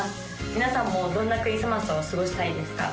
皆さんもどんなクリスマスを過ごしたいですか？